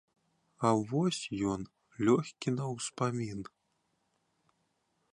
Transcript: А вось ён, лёгкі на ўспамін.